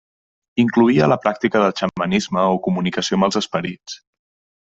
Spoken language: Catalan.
Incloïa la pràctica del xamanisme o comunicació amb els esperits.